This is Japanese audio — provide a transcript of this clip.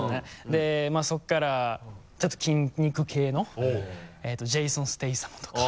でそこからちょっと筋肉系のジェイソン・ステイサムとか。